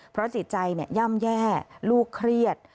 เพราะจิตใจย่ำแย่ลูกเครียด